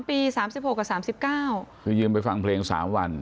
ปี๓๖กับ๓๙คือยืมไปฟังเพลง๓วัน